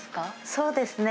そうですね。